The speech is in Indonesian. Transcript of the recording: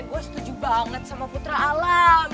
gue setuju banget sama putra alam